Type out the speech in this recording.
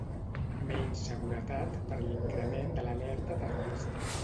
Menys seguretat per l'increment de l'alerta terrorista.